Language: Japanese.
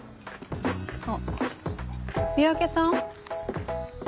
あっ三宅さん？